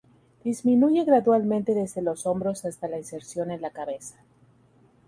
Disminuye gradualmente desde los hombros hasta la inserción en la cabeza.